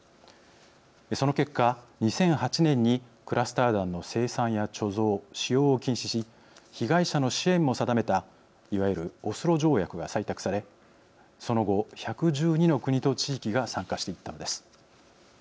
その結果２００８年にクラスター弾の生産や貯蔵使用を禁止し被害者の支援も定めたいわゆるオスロ条約が採択されその後１１２の国と地域が参加していったのです。